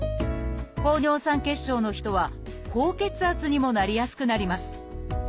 高尿酸血症の人は高血圧にもなりやすくなります。